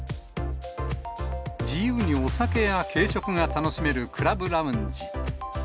自由にお酒や軽食が楽しめるクラブラウンジ。